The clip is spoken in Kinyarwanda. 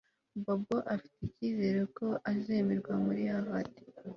Bobo afite icyizere ko azemerwa muri Harvard